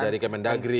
dari kementerian negeri